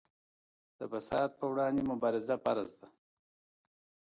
د فساد پر وړاندې مبارزه فرض ده.